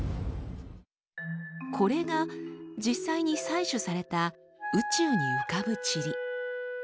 これが実際に採取された宇宙に浮かぶチリ。